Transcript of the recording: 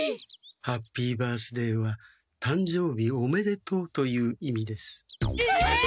「ハッピー・バースデー」は「たんじょうびおめでとう」という意味です。え！？